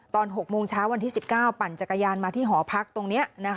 ตอน๖โมงเช้าวันที่๑๙ปั่นจักรยานมาที่หอพักตรงนี้